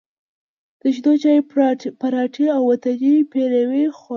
د شېدو چای، پراټې او وطني پېروی خوړلی،